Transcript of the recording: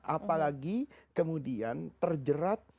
apalagi kemudian terjerat